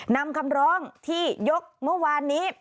นำคำร้องที่ยกเมื่อวานนี้